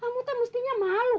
kamu te mestinya malu